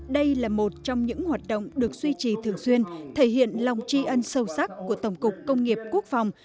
đây là một trong những hoạt động được duy trì thường xuyên thể hiện lòng tri ân sâu sắc của tổng cục công nghiệp quốc phòng